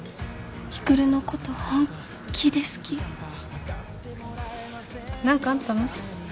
育のこと本気で好き何かあったの？